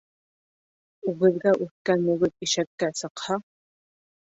Үгеҙгә үҫкән мөгөҙ ишәккә сыҡһа